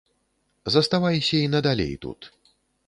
Заставайся і надалей тут.